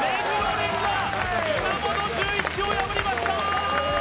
蓮が稲本潤一を破りました